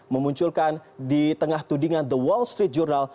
memunculkan di tengah tudingan the wall street journal